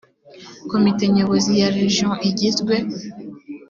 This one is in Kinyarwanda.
komite nyobozi ya region igizwe